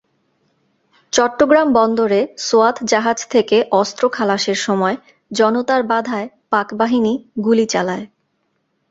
চট্টগ্রাম বন্দরে সোয়াত জাহাজ থেকে অস্ত্র খালাসের সময় জনতার বাধায় পাকবাহিনী গুলি চালায়।